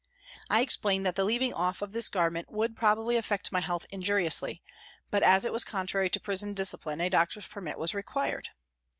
I explained that the leaving off of this garment would probably affect my health injuriously, but as it was contrary to prison dis cipline a doctor's permit was required.